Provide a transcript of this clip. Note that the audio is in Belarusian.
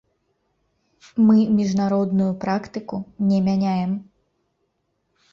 Мы міжнародную практыку не мяняем.